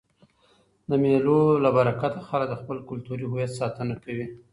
د مېلو له برکته خلک د خپل کلتوري هویت ساتنه کوي.